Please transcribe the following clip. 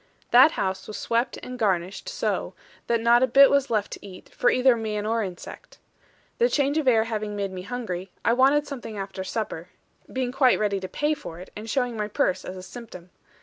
That house was swept and garnished so, that not a bit was left to eat, for either man or insect. The change of air having made me hungry, I wanted something after supper; being quite ready to pay for it, and showing my purse as a symptom.